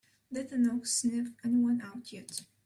Did the dog sniff anyone out yet?